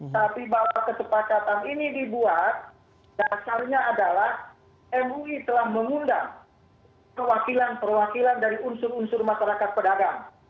tapi bahwa kesepakatan ini dibuat dasarnya adalah mui telah mengundang perwakilan perwakilan dari unsur unsur masyarakat pedagang